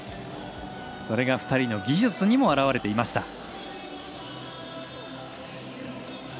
それが２人の技術にも表れていました。